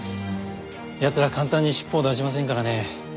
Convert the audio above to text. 奴らは簡単に尻尾を出しませんからね。